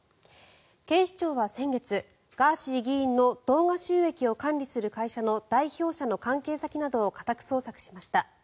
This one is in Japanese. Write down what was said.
警視庁は先月、ガーシー議員の動画収益を管理する会社の代表者の関係先などを家宅捜索しました。